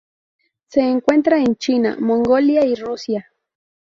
Se encuentra en China, Mongolia y Rusia.